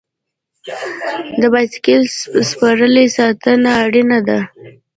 د بایسکل سپرلۍ ساتنه اړینه ده.